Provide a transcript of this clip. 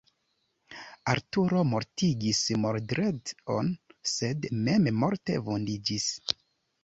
Arturo mortigis Mordred-on sed mem morte vundiĝis.